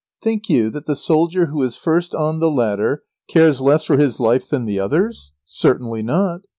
Think you that the soldier who is first on the ladder cares less for his life than the others? Certainly not.